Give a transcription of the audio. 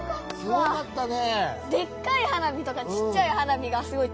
すごかったね。